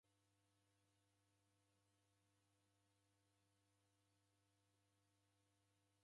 Odea w'andu shale w'ei ubomuagha nyumba rapwaw'o.